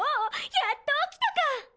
やっと起きたか！